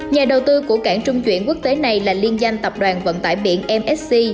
nhà đầu tư của cảng trung chuyển quốc tế này là liên danh tập đoàn vận tải biển msc